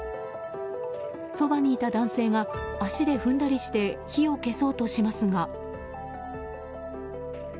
そばにいた男性が足で踏んだりして火を消そうとしますが。